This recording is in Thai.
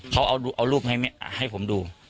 เขาเอารูปให้ผมดู